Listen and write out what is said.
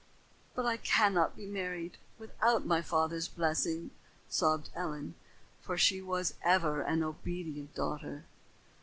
"But I cannot be married without my father's blessing," sobbed Ellen, for she was ever an obedient daughter.